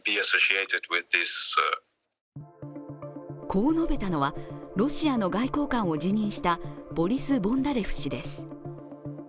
こう述べたのは、ロシアの外交官を辞任したボリス・ボンダレフ氏です。